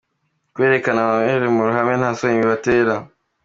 Kwerekana amabere mu ruhame nta soni bibatera